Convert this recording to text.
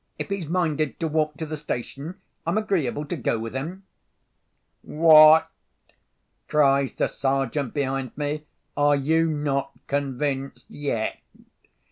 "If he's minded to walk to the station, I'm agreeable to go with him." "What!" cries the Sergeant, behind me, "are you not convinced yet?"